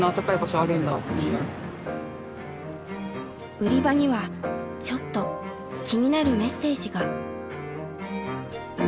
売り場にはちょっと気になるメッセージが。